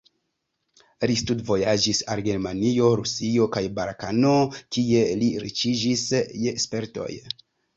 Li studvojaĝis al Germanio, Rusio kaj Balkano, kie li riĉiĝis je spertoj.